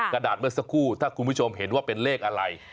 กระดาษเมื่อสักครู่ถ้าคุณผู้ชมเห็นว่าเป็นเลขอะไร